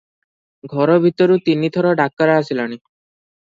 ଘର ଭିତରୁ ତିନି ଥର ଡାକରା ଆସିଲାଣି ।